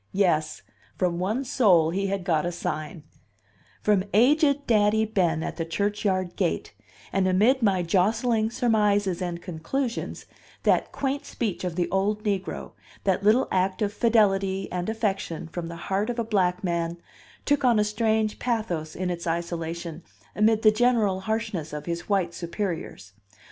Yes; from one soul he had got a sign from aged Daddy Ben, at the churchyard gate; and amid my jostling surmises and conclusions, that quaint speech of the old negro, that little act of fidelity and affection from the heart of a black man, took on a strange pathos in its isolation amid the general harshness of his white superiors.